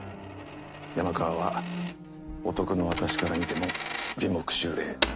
山川は男の私から見ても眉目秀麗。